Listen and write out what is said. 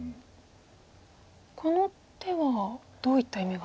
この手はどういった意味が。